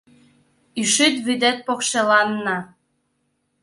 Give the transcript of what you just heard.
Ӱшӱт вӱдет покшеланна